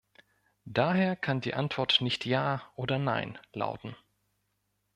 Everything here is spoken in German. Daher kann die Antwort nicht Ja oder Nein lauten.